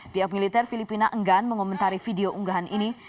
pihak militer filipina enggan mengomentari video unggahan ini